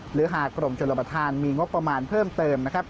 หรือหากกรมชนประธานมีงบประมาณเพิ่มเติมนะครับ